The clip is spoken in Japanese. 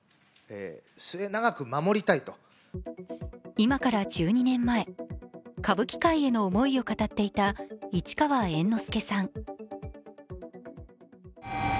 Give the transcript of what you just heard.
今から１２年前、歌舞伎界への思いを語っていた市川猿之助さん。